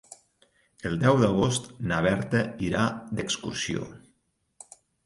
El deu d'agost na Berta irà d'excursió.